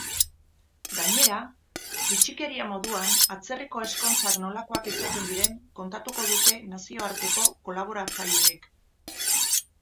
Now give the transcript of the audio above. Gainera, bitxikeria moduan atzerriko ezkontzak nolakoak izaten diren kontatuko dute nazioarteko kolaboratzaileek.